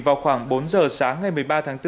vào khoảng bốn giờ sáng ngày một mươi ba tháng bốn